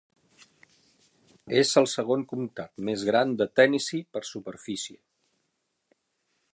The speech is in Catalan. És el segon comtat més gran de Tennessee per superfície.